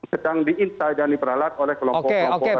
sedang diinsai dan diperalat oleh kelompok kelompok berdikar